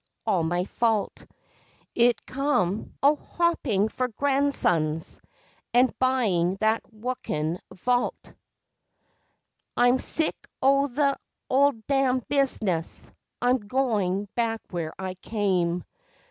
All my fault: It come o' hoping for grandsons and buying that Wokin' vault. I'm sick o' the 'ole dam' business; I'm going back where I came.